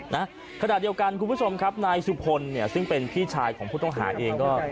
นะขณะเดียวกันคุณผู้ชมครับนายสุพลเนี่ยซึ่งเป็นพี่ชายของผู้ต้องหาเองก็